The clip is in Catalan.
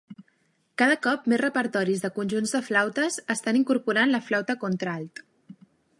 Cada cop més repertoris de conjunts de flautes estan incorporant la flauta contralt.